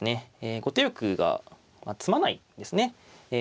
後手玉が詰まないんですね。